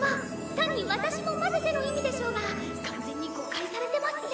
単に「私も交ぜて」の意味でしょうが完全に誤解されてますね。